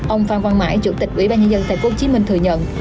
ông phạm văn mãi chủ tịch ủy ban nhà dân tp hcm thừa nhận